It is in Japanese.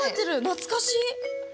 懐かしい！